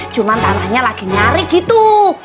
cuma tanahnya lagi nyari gitu